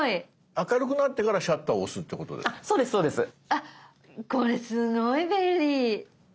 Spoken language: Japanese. あっこれすごい便利！